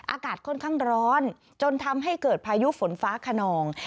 อากาศค่อนข้างร้อนจนทำให้เกิดพายุฝนฟ้าขนอง